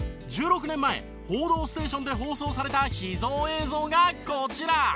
１６年前『報道ステーション』で放送された秘蔵映像がこちら。